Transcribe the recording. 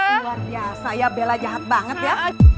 luar biasa ya bella jahat banget ya